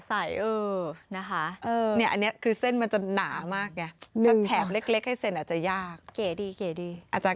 ก็เขียนเป็นภาษาอังกฤษเป็นชื่อธรรมดา